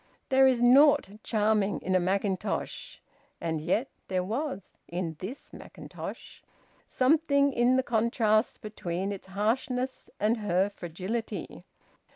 There is naught charming in a mackintosh. And yet there was, in this mackintosh! ... Something in the contrast between its harshness and her fragility...